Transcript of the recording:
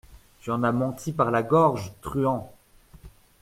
Tu en as menti par la gorge, truand !